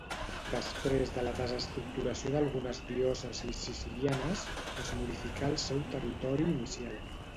Després de la desestructuració d'algunes diòcesis sicilianes, es modificà el seu territori inicial.